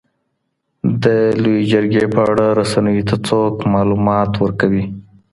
د لویې جرګي په اړه رسنیو ته څوک معلومات ورکوي؟